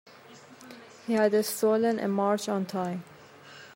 He had stolen a march on Time.